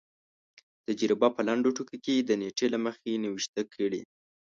تجربه په لنډو ټکو کې د نېټې له مخې نوشته کړي.